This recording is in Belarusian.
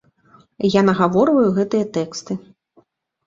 Я нагаворваю гэтыя тэксты.